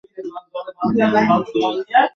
আমি হলাম আসল রাজপুত্র নাভিন!